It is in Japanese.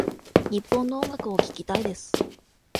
日本の音楽を聞きたいです。